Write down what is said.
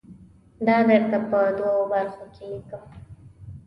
دا درته په دوو برخو کې لیکم.